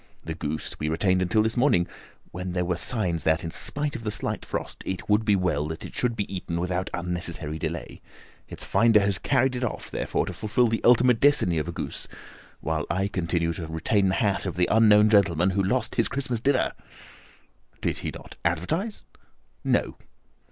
The goose we retained until this morning, when there were signs that, in spite of the slight frost, it would be well that it should be eaten without unnecessary delay. Its finder has carried it off, therefore, to fulfil the ultimate destiny of a goose, while I continue to retain the hat of the unknown gentleman who lost his Christmas dinner." "Did he not advertise?" "No."